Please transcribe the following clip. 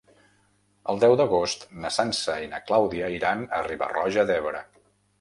El deu d'agost na Sança i na Clàudia iran a Riba-roja d'Ebre.